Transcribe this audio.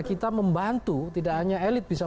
kita membantu tidak hanya elit bisa